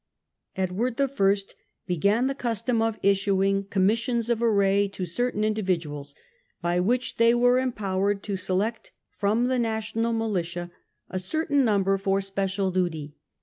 Edward I. began the custom of issuing * Commissions of array ' to certain individuals, by which they were empowered to select from the national militia a certain number for no ARMY AND NAVY. special duty.